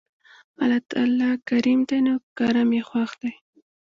الله تعالی کريم دی نو کرَم ئي خوښ دی